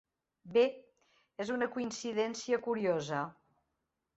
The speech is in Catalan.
Bé, és una coincidència curiosa.